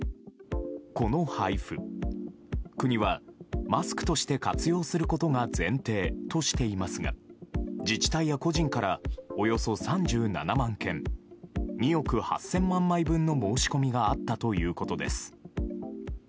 この配布、国はマスクとして活用することが前提としていますが自治体や個人からおよそ３７万件２億８０００万枚分の申し込みがあったということです。